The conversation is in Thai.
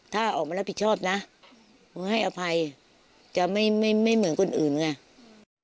ถ้าออกมารับผิดชอบนะมึงให้อภัยจะไม่เหมือนคนอื่นไง